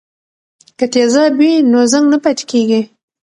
که تیزاب وي نو زنګ نه پاتې کیږي.